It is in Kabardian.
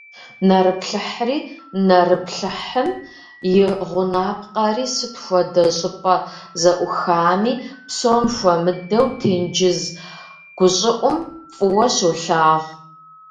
Нэрыплъыхьри, нэрыплъыхьым и гъунапкъэри сыт хуэдэ щӀыпӀэ ззӀухами, псом хуэмыдэу тенджыз гущӀыӀум, фӀыуэ щолъагъу.